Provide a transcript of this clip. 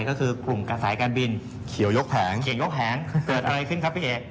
ก็คือกลุ่มกับสายการบินเขียนยกแผงเกิดอะไรขึ้นครับพี่เอ๋